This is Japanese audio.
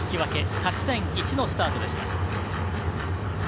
勝ち点１のスタートでした。